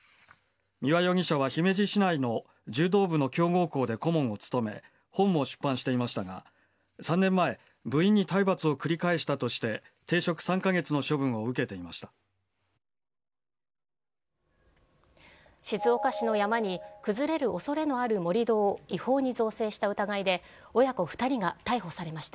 三輪容疑者は姫路市内の柔道部の強豪校で顧問を務め、本も出版していましたが、３年前、部員に体罰を繰り返したとして、停職３か月の処分を受けていました。